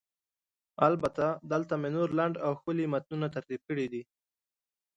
البته، دلته مې نور لنډ او ښکلي متنونه ترتیب کړي دي: